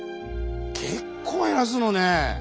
結構減らすのね！